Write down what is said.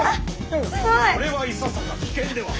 「それはいささか危険では」。